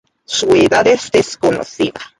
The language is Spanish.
Su edad es desconocida.